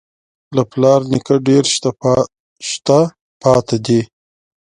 له پلار نیکه ډېر شته پاتې دي.